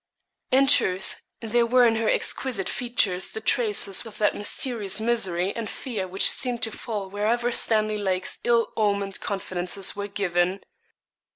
In truth, there were in her exquisite features the traces of that mysterious misery and fear which seemed to fall wherever Stanley Lake's ill omened confidences were given.